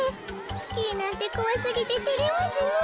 スキーなんてこわすぎててれますねえ。